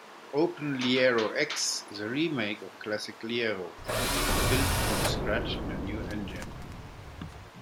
OpenLieroX is a remake of classic Liero, built from scratch in a new engine.